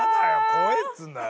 怖えっつうんだよ。